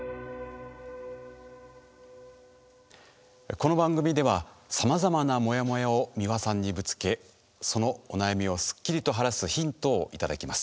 この番組ではさまざまなモヤモヤを美輪さんにぶつけそのお悩みをスッキリと晴らすヒントをいただきます。